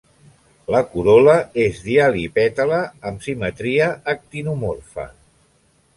La corol·la és dialipètala amb simetria actinomorfa.